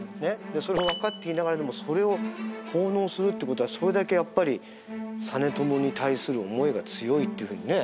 それをわかっていながらでもそれを奉納するって事はそれだけやっぱり実朝に対する思いが強いっていうふうにね。